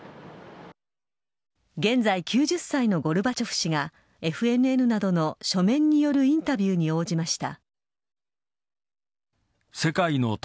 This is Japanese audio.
現在９０歳のゴルバチョフ氏がＦＮＮなどの書面によるインタビューに応じました。